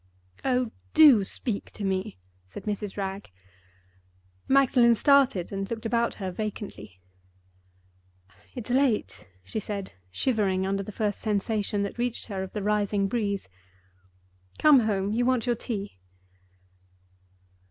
"Oh, do speak to me!" said Mrs. Wragge. Magdalen started, and looked about her vacantly. "It's late," she said, shivering under the first sensation that reached her of the rising breeze. "Come home; you want your tea."